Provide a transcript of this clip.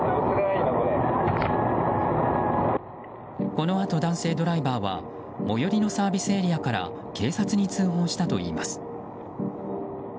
このあと男性ドライバーは最寄りのサービスエリアから警察に通報したといいます。